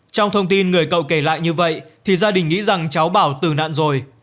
trong thông tin người cậu kể lại như vậy thì gia đình nghĩ rằng cháu bảo tử nạn rồi